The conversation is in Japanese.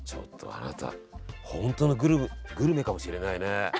本当のグルメかもしれないね。